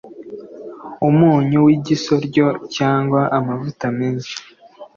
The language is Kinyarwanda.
umunyu w’igisoryo cyangwa amavuta menshi